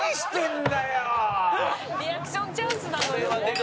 「リアクションチャンスなのにね」